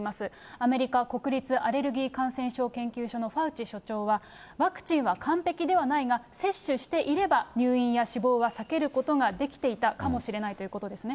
アメリカ国立アレルギー感染症研究所のファウチ所長は、ワクチンは完ぺきではないが、接種していれば、入院や死亡は避けることができていたかもしれないということですね。